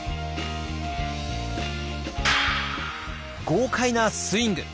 豪快なスイング！